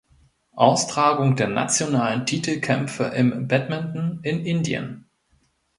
Austragung der nationalen Titelkämpfe im Badminton in Indien.